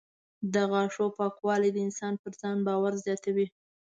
د غاښونو پاکوالی د انسان پر ځان باور زیاتوي.